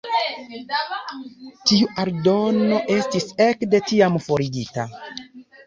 Tiu aldono estis ekde tiam forigita.